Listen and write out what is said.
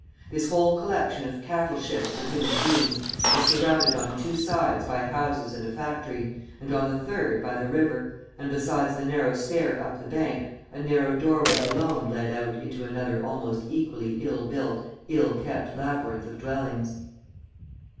This whole collection of cattle sheds for human beings was surrounded on two sides by houses and a factory, and on the third by the river, and besides the narrow stair up the bank, a narrow doorway alone led out into another almost equally ill built, ill kept labyrinth of dwellings.